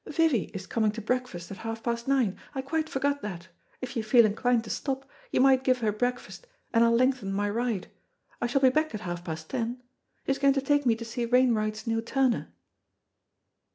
Vivy is coming to breakfast at half past nine; I quite forgot that. If you feel inclined to stop, you might give her breakfast, and I'll lengthen my ride. I shall be back at half past ten. She's going to take me to see Wainwright's new Turner."